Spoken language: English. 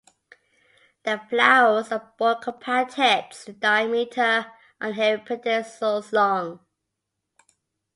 The flowers are borne compact heads in diameter on hairy pedicels long.